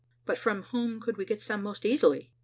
"But from whom could we get some most easily?"